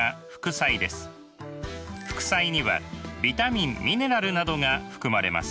副菜にはビタミンミネラルなどが含まれます。